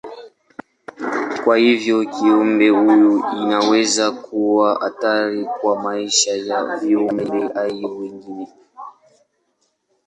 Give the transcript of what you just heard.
Kwa hivyo kiumbe huyu inaweza kuwa hatari kwa maisha ya viumbe hai wengine.